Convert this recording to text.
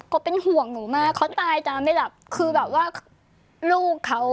ก็เป็นห่วงหนูมากเขาตายตาไม่หลับคือแบบว่าลูกเขา